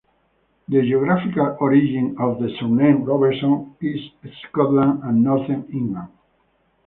The geographical origins of the surname Roberson is Scotland and northern England.